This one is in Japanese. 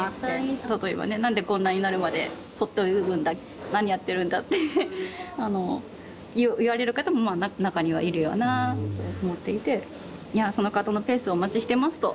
例えばね何でこんなになるまで放っておくんだ何やってるんだってあの言われる方もまあ中にはいるよなぁと思っていていやその方のペースをお待ちしてますと。